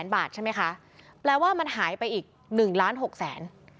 ๒๓๐๐๐๐๐บาทใช่ไหมคะแปลว่ามันหายไปอีก๑๖๐๐๐๐๐บาท